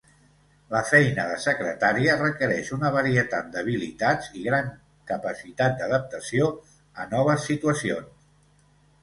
La feina de secretària requereix una varietat d'habilitats i gran capacitat d'adaptació a noves situacions.